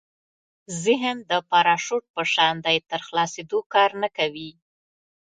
ذهن د پراشوټ په شان دی تر خلاصېدو کار نه کوي.